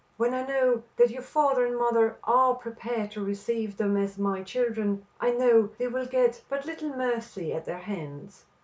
When I know that your father and mother are prepared to receive them as my children, I know they will get but little mercy at their hands."